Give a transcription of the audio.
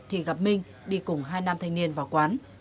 thì gặp minh đi cùng hai nam thanh niên vào quán